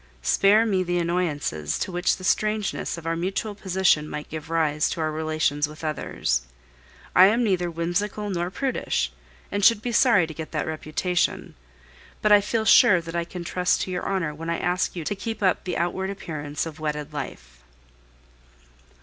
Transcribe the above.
Spare me the annoyances to which the strangeness of our mutual position might give rise to our relations with others. I am neither whimsical nor prudish, and should be sorry to get that reputation; but I feel sure that I can trust to your honor when I ask you to keep up the outward appearance of wedded life."